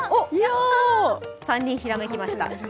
３人ひらめきました。